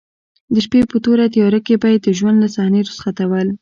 د شپې په توره تیاره کې به یې د ژوند له صحنې رخصتول.